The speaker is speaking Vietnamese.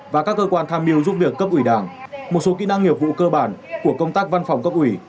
và các cơ quan tham mưu giúp việc cấp ủy đảng một số kỹ năng nghiệp vụ cơ bản của công tác văn phòng cấp ủy